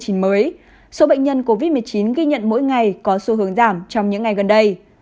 trong ngày một mươi năm tháng chín số bệnh nhân covid một mươi chín ghi nhận mỗi ngày có xu hướng giảm trong những ngày gần đây